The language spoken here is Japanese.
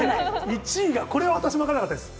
１位が、これは私も分からなかったです。